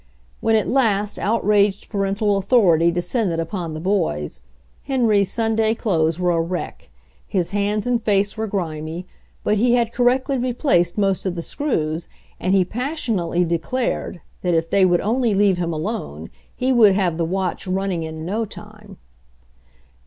When at last outraged parental authority de scended upon the boys, Henry's Sunday clothes were a wreck, his hands and face were grimy, but he had correctly replaced most of the screws, and he passionately declared that if they would only leave him alone he would have the watch run ning in no time.